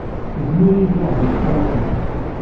Izmer ad yi-d-iḥbes kra n ḥedd.